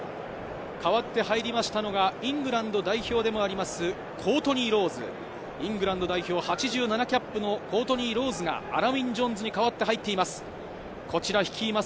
代わって入りましたのがイングランド代表でもあります、コートニー・ロウズ、イングランド代表８７キャップのコートニー・ロウズがアラン＝ウィン・ジョーンズに代わって入っています。